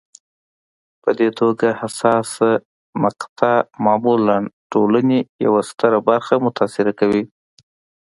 په دې توګه حساسه مقطعه معمولا ټولنې یوه ستره برخه متاثره کوي.